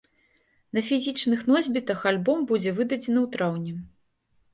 На фізічных носьбітах альбом будзе выдадзены ў траўні.